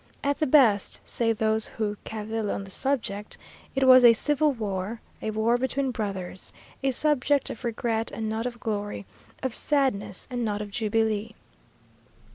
"At the best," say those who cavil on the subject, "it was a civil war a war between brothers a subject of regret and not of glory of sadness and not of jubilee."